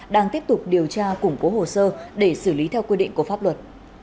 đang tiếp tục điều tra củng cố hồ sơ để xử lý theo quy định của pháp luật